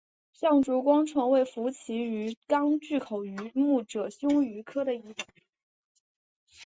象烛光鱼为辐鳍鱼纲巨口鱼目褶胸鱼科的其中一种。